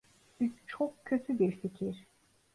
Bu çok kötü bir fikir.